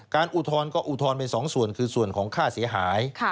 อุทธรณ์ก็อุทธรณ์ไปสองส่วนคือส่วนของค่าเสียหาย